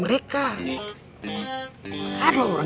merasa saya sudah muak